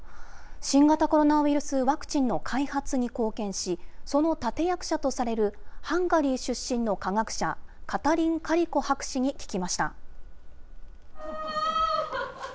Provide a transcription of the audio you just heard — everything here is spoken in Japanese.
新型コロナウイルスワクチンの開発に貢献し、その立て役者とされるハンガリー出身の科学者、カタリン・カリコ博士に聞きました。